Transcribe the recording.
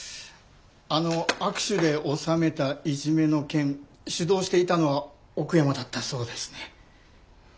あの握手で収めたいじめの件主導していたのは奥山だったそうですね。